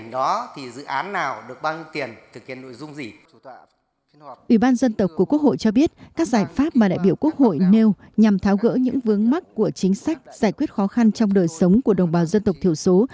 ủy ban dân tộc của quốc hội cho biết các giải pháp mà đại biểu quốc hội nêu nhằm tháo gỡ những vướng mắt của chính sách giải quyết khó khăn trong đời sống của đồng bào dân tộc thiểu số